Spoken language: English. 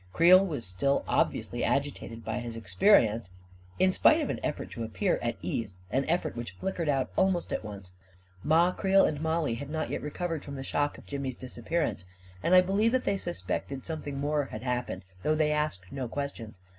Creel was still obviously agitated by his experience, in spite of an effort to appear at ease — an effort which flickered out almost at once. Ma Creel and Mollie had not yet recovered from the shock of Jimmy's disappearance ; and I believe that they suspected something more had happened, though they asked no questions.